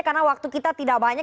karena waktu kita tidak banyak